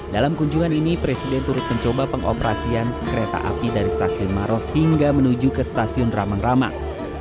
dalam kunjungan ini presiden turut mencoba pengoperasian kereta api dari stasiun maros hingga menuju ke stasiun ramang ramang